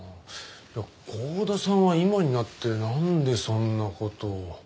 剛田さんは今になってなんでそんな事を。